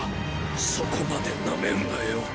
そこまでなめるなよ。